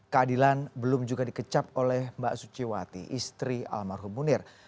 keadilan belum juga dikecap oleh mbak suciwati istri almarhum munir